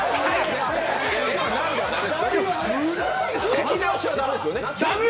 聞き直しは駄目ですよね？